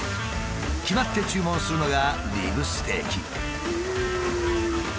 決まって注文するのがリブステーキ。